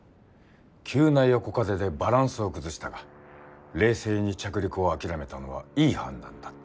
急な横風でバランスを崩したが冷静に着陸を諦めたのはいい判断だった。